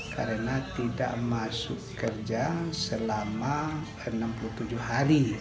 karena tidak masuk kerja selama enam puluh tujuh hari